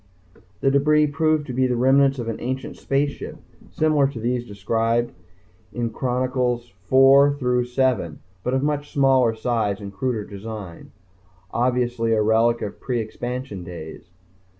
The debris proved to be the remnants of an ancient spaceship similar to those described in Sector Chronicles IV through VII, but of much smaller size and cruder design obviously a relic of pre expansion days.